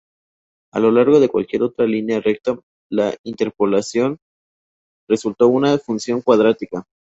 A lo largo de cualquier otra línea recta, la interpolación resulta una función cuadrática.